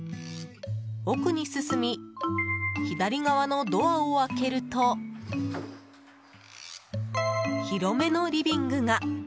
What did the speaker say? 奥に進み左側のドアを開けると広めのリビングが。